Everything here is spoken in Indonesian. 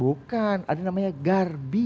bukan ada namanya garbi